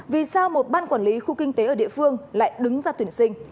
vì sao một ban quản lý khu kinh tế ở địa phương lại đứng ra tuyển sinh